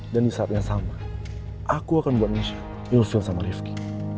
dan di saat yang sama aku akan buat misi you feel sama rifki